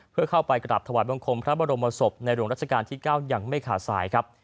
เพื่อเข้าไปกราบถวายบังคมพระบรมศพในหลวงรัชกาลที่๙อย่างไม่ขาดสายครับ